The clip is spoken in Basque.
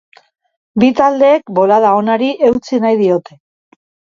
Bi taldeek bolada onari eutsi nahi diote.